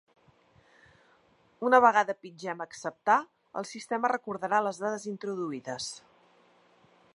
Una vegada pitgem “acceptar”, el sistema recordarà les dades introduïdes.